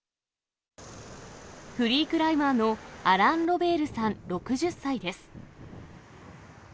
フリークライマーのアラン・ロベールさん６０歳です。